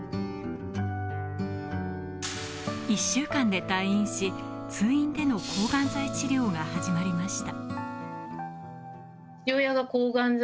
１週間で退院し、通院での抗がん剤治療が始まりました。